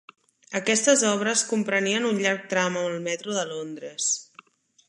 Aquestes obres comprenien un llarg tram amb el metro de Londres.